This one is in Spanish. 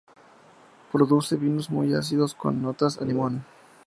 Produce vinos muy ácidos con notas a limón.